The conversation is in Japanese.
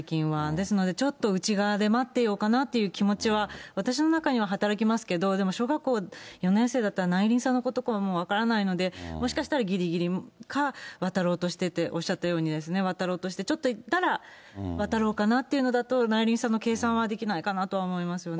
ですので、ちょっと内側で待ってようかなという気持ちは私の中には働きますけど、小学校４年生だったら、内輪差のこととかも分からないので、もしかしたらぎりぎりか、渡ろうとしてて、おっしゃったように、渡ろうとして、ちょっと行ったら渡ろうかなというのだと、内輪差の計算はできないかなと思いますよね。